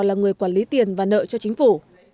là người quản lý tiền và nợ cho chính phủ